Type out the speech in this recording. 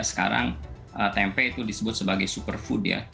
sekarang tempe itu disebut sebagai superfood ya